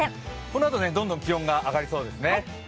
このあとどんどん気温が上がりそうですね。